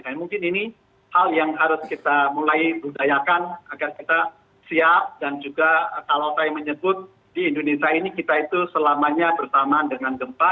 nah mungkin ini hal yang harus kita mulai budayakan agar kita siap dan juga kalau saya menyebut di indonesia ini kita itu selamanya bersamaan dengan gempa